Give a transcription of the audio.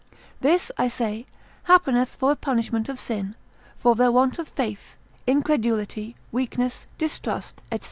&c. This, I say, happeneth for a punishment of sin, for their want of faith, incredulity, weakness, distrust, &c.